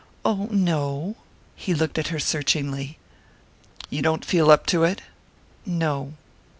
"Oh, no " He looked at her searchingly. "You don't feel up to it?" "No."